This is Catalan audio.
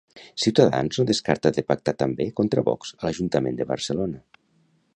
Ciutadans no descarta de pactar també contra Vox a l'Ajuntament de Barcelona.